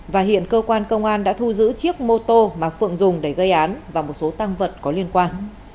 và hiện cơ quan công an đã thu giữ chiếc mô tô mà phượng dùng để gây án và một số tăng vật có liên quan